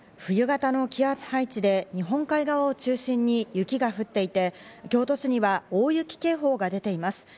冬型の気圧配置で日本海側を中心に雪が降っていて京都には大雪警報が出ています。